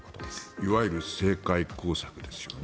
いわゆる政界工作ですよね